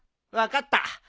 分かった。